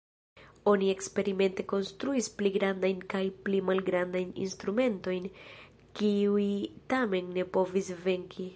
Oni eksperimente konstruis pli grandajn kaj pli malgrandajn instrumentojn, kiuj tamen ne povis venki.